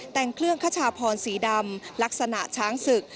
แต่งเครื่องคชาพรสีดำลักษณะช้างศึก